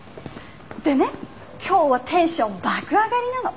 でね今日はテンション爆上がりなの。